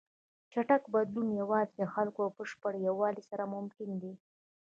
چټک بدلون یوازې د خلکو په بشپړ یووالي سره ممکن دی.